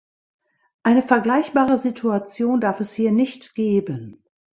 Eine vergleichbare Situation darf es hier nicht geben.